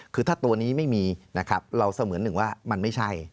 คือถ้าตัวนี้ไม่มีนะครับเราเสมือนหนึ่งว่ามันไม่ใช่